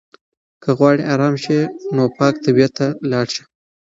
که غواړې ارام شې نو پاک طبیعت ته لاړ شه.